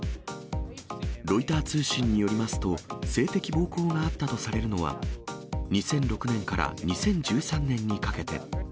ロイター通信によりますと、性的暴行があったとされるのは、２００６年から２０１３年にかけて。